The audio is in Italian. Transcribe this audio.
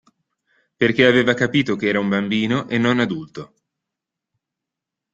Perché aveva capito che era un bambino e non adulto.